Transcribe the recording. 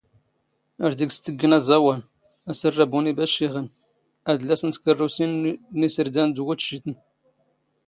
ⴰⵔ ⴷⵉⴳⵙ ⵜⵜⴳⴳⵏ ⴰⵥⴰⵡⴰⵏ, ⴰⵙⵔⵔⴰⴱⵓ ⵏ ⵉⴱⴰⵛⵛⵉⵅⵏ, ⴰⴷⵍⴰⵙ ⵏ ⵜⴽⵔⵔⵓⵙⵉⵏ ⵏ ⵉⵙⵔⴷⴰⵏ ⴷ ⵡⵓⵜⵛⵉⵜⵏ.